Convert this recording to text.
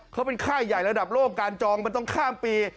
เขาเป็นค่ายใหญ่ระดับโลกการจองมันต้องข้ามปี